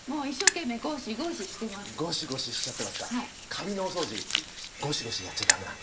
カビのお掃除ゴシゴシやっちゃダメなんです。